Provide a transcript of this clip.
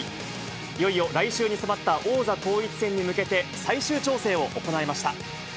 いよいよ来週に迫った王座統一戦に向けて、最終調整を行いました。